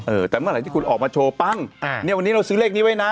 เออแต่เมื่อไหร่ที่คุณออกมาโชว์ปั้งอ่าเนี่ยวันนี้เราซื้อเลขนี้ไว้นะ